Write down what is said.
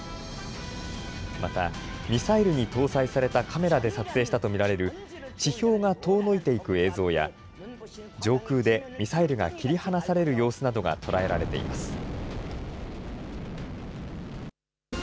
またミサイルに搭載されたカメラで撮影したと見られる地表が遠のいていく映像や上空でミサイルが切り離される様子などが捉えられています。